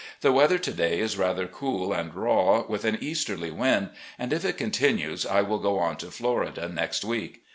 The weather to day is rather cool and raw, with an easterly wind, and if it con tinues I will go on to Florida next week.